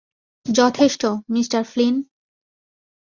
যথেষ্ট, mister Flynn!